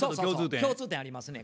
共通点ありますねや。